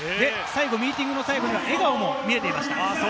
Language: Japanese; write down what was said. ミーティングの最後には笑顔も見えていました。